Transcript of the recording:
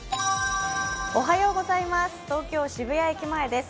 東京・渋谷駅前です。